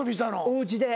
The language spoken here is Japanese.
おうちで。